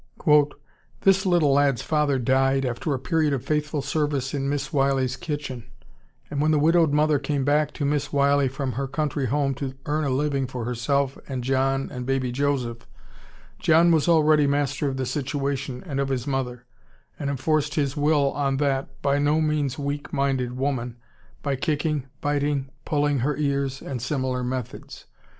"This little lad's father died, after a period of faithful service in Miss Wiley's kitchen, and when the widowed mother came back to Miss Wiley from her country home to earn a living for herself and John and baby Joseph, John was already master of the situation and of his mother, and enforced his will on that by no means weak minded woman by kicking, biting, pulling her ears, and similar methods.